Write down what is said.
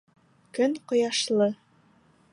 Көн ҡояшлы.